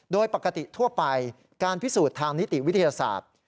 โดยปกติทั่วไปการพิสูจน์ทางนิติวิทยาศาสตร์